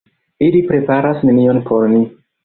Ili preparas nenion por ni!